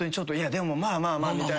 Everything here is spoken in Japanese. でもまあまあまあみたいな。